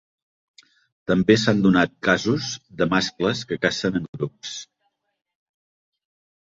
També s'han donat casos de mascles que cacen en grups.